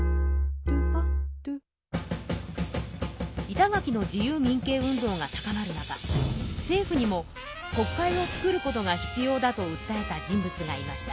板垣の自由民権運動が高まる中政府にも国会を作ることが必要だと訴えた人物がいました。